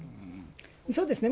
そうですね。